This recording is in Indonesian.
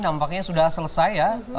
nampaknya sudah selesai ya